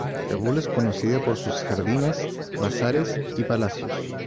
Kabul es conocida por sus jardines, bazares y palacios.